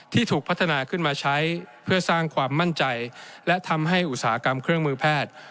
ถูกพัฒนาขึ้นมาใช้เพื่อสร้างความมั่นใจและทำให้อุตสาหกรรมเครื่องมือแพทย์